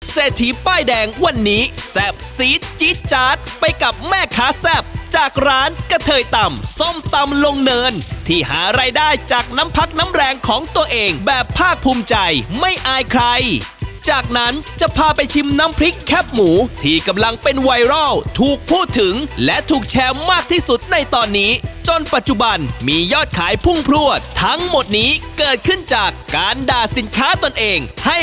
เศรษฐีป้ายแดงวันนี้แซ่บซีดจี๊ดจาดไปกับแม่ค้าแซ่บจากร้านกะเทยตำส้มตำลงเนินที่หารายได้จากน้ำพักน้ำแรงของตัวเองแบบภาคภูมิใจไม่อายใครจากนั้นจะพาไปชิมน้ำพริกแคบหมูที่กำลังเป็นไวรัลถูกพูดถึงและถูกแชร์มากที่สุดในตอนนี้จนปัจจุบันมียอดขายพุ่งพลวดทั้งหมดนี้เกิดขึ้นจากการด่าสินค้าตนเองให้